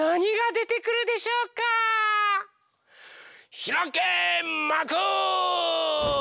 ひらけまく！